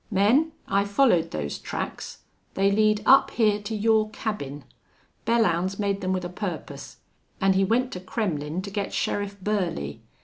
Men, I followed those tracks They lead up here to your cabin. Belllounds made them with a purpose.... An' he went to Kremmlin' to get Sheriff Burley.